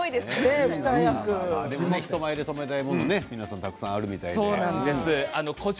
人前で止めたいもの皆さんたくさんあるみたいですね。